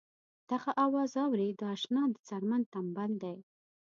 دغه اواز اورې د اشنا د څرمنې تمبل دی.